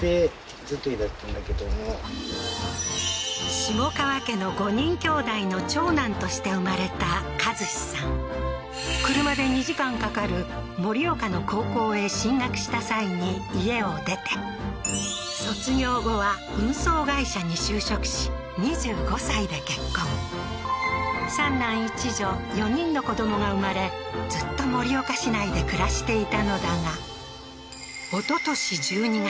下川家の５人姉弟の長男として生まれた和司さん車で２時間かかる盛岡の高校へ進学した際に家を出て卒業後は運送会社に就職し２５歳で結婚三男一女４人の子どもが生まれずっと盛岡市内で暮らしていたのだが一昨年１２月